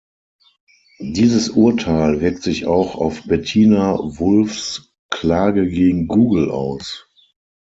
Dieses Urteil wirkt sich auch auf Bettina Wulffs Klage gegen Google aus.